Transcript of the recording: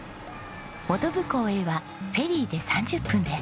本部港へはフェリーで３０分です。